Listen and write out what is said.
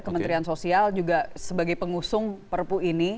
kementerian sosial juga sebagai pengusung perpu ini